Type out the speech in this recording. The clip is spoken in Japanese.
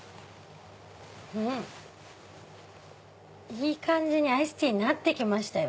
いい感じにアイスティーになってきましたよ。